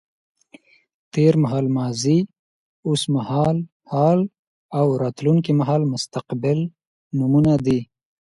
تېر مهال ماضي، اوس مهال حال او راتلونکی مهال مستقبل نومونه دي.